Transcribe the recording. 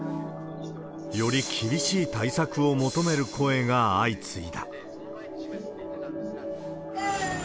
より厳しい対策を求める声が相次いだ。